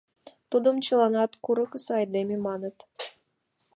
Тудым чыланат курыкысо айдеме маныт.